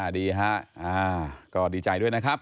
ดีฮะก็ดีใจด้วยนะครับ